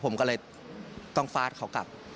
ผมก็เลยต้องฟาดเขากลับ